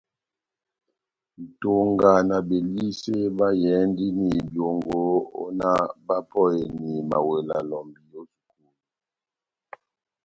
Nʼtonga na Belisé bayɛhɛndini byongo ó náh bapɔheni mawela lɔmbi ó sukulu.